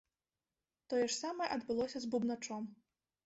Тое ж самае адбылося з бубначом.